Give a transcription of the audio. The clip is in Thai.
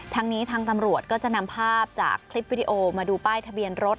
ทางนี้ทางตำรวจก็จะนำภาพจากคลิปวิดีโอมาดูป้ายทะเบียนรถ